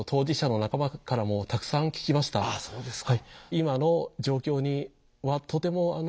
そうですか。